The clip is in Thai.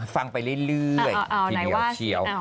ฟังไปเรื่อยทีเดียวเชียว